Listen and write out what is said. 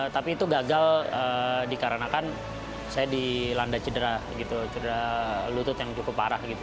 tapi itu gagal dikarenakan saya dilanda cedera gitu cedera lutut yang cukup parah gitu